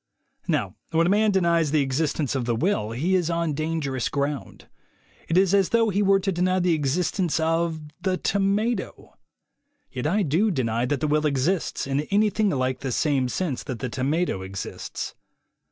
Now when a man denies the existence of the will he is on dangerous ground. It is as if he were to deny the existence of the tomato. Yet I do deny that the will exists, in anything like the same sense that the tomato exists.